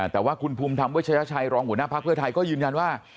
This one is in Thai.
แต่ว่าคุณภูมิธรรมเวชยชัยรองหัวหน้าพักเพื่อไทยก็ยืนยันว่า